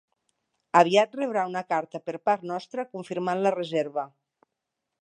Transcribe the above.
Aviat rebrà una carta per part nostra confirmant la reserva.